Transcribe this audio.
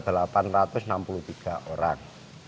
jumlah anggota ada delapan ratus enam puluh tiga orang